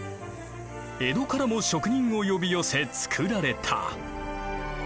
江戸からも職人を呼び寄せつくられた。